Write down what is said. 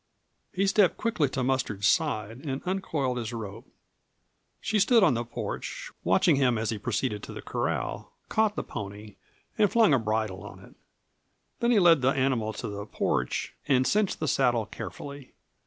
He stepped quickly to Mustard's side and uncoiled his rope. She stood on the porch, watching him as he proceeded to the corral, caught the pony, and flung a bridle on it. Then he led the animal to the porch and cinched the saddle carefully.